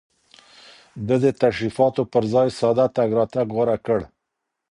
ده د تشريفاتو پر ځای ساده تګ راتګ غوره کړ.